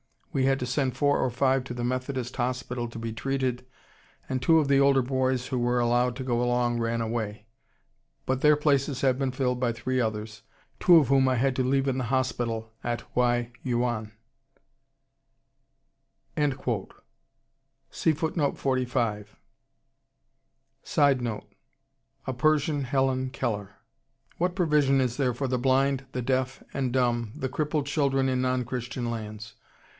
We had to send four or five to the Methodist hospital to be treated, and two of the older boys who were allowed to go along ran away. But their places have been filled by three others, two of whom I had to leave in the hospital at Hwai Yuan." [Sidenote: A Persian "Helen Keller."] What provision is there for the blind, the deaf and dumb, the crippled children in non Christian lands?